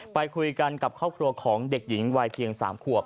ไปคุยกันกับครอบครัวของเด็กหญิงวัยเพียง๓ขวบ